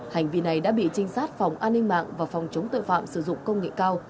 hành vi này đã bị trinh sát phòng an ninh mạng và phòng chống tội phạm sử dụng công nghệ cao